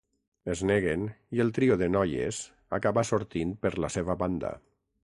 Es neguen i el trio de noies acaba sortint per la seva banda.